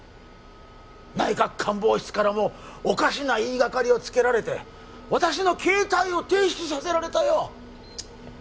内閣官房室からもおかしな言いがかりをつけられて私の携帯を提出させられたよ